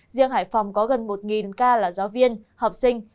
riêng hải phòng có gần một ca là giáo viên học sinh